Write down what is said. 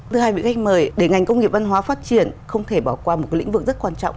thứ hai vị khách mời để ngành công nghiệp văn hóa phát triển không thể bỏ qua một lĩnh vực rất quan trọng